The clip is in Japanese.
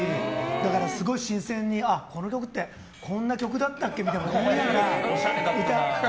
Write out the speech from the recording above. だから、すごい新鮮にこの曲ってこんな曲だったっけ？みたいに。